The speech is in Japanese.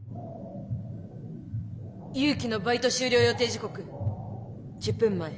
祐樹のバイト終了予定時刻１０分前。